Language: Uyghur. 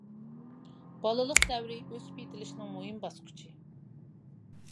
بالىلىق دەۋرى ئۆسۈپ يېتىلىشنىڭ مۇھىم باسقۇچى.